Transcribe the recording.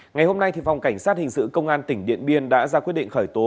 ngày hôm nay phòng cảnh sát hình sự công an tỉnh điện biên đã ra quyết định khởi tố